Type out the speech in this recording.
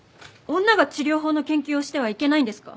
女が治療法の研究をしてはいけないんですか？